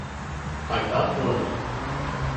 I'm not normal.